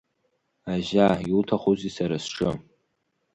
Ажьа иуҭахузеи сара сҿы?